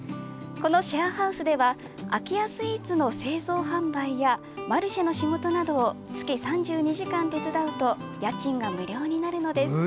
このシェアハウスでは空家スイーツの製造・販売やマルシェの仕事などを月３２時間手伝うと家賃が無料になるのです。